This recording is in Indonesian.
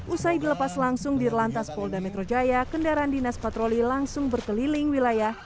usai dilepas langsung di lantas polda metro jaya kendaraan dinas patroli langsung berkeliling wilayah